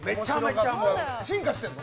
進化してるの？